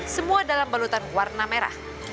semua dalam balutan warna merah